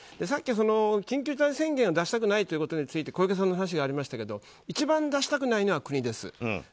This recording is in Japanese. さっき、緊急事態宣言を出したくないということについて小池さんの話がありましたけど一番出したくないのは国です。